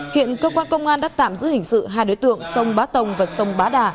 hiện cơ quan công an đã tạm giữ hình sự hai đối tượng sông bá tồng và sông bá đà